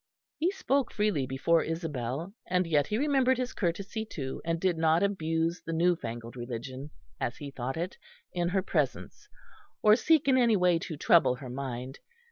He spoke freely before Isabel, and yet he remembered his courtesy too, and did not abuse the new fangled religion, as he thought it, in her presence; or seek in any way to trouble her mind.